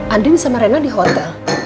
andin sama rena di hotel